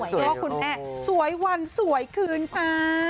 พ่อคุณแม่สวยวันสวยคืนค่ะ